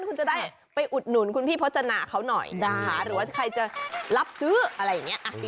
คุณจะได้ไปอุดหนุนคุณพี่พจนาเขาหน่อยนะคะหรือว่าใครจะรับซื้ออะไรอย่างนี้